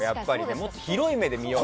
もっと広い目で見ようよ。